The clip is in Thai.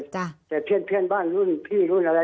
แต่เพียงบ้านรุ่นพี่รุ่นอะไร